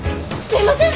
すいません！